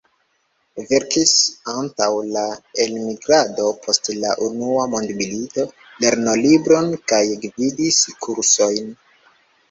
Verkis antaŭ la elmigrado post la Unua Mondmilito lernolibron kaj gvidis kursojn.